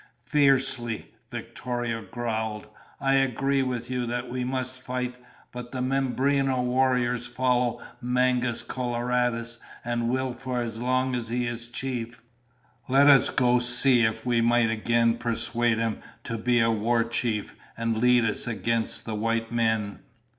"Fiercely," Victorio growled. "I agree with you that we must fight, but the Mimbreno warriors follow Mangus Coloradus and will for as long as he is chief. Let us go see if we might again persuade him to be a war chief and lead us against the white men."